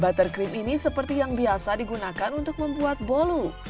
buttercream ini seperti yang biasa digunakan untuk membuat bolu